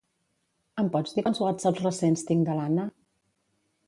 Em pots dir quants whatsapps recents tinc de l'Anna?